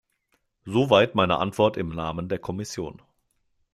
Soweit meine Antwort im Namen der Kommission.